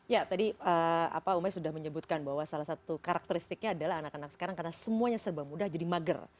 ya tadi umay sudah menyebutkan bahwa salah satu karakteristiknya adalah anak anak sekarang karena semuanya serba mudah jadi mager